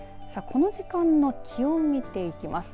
この時間の気温、見ていきます。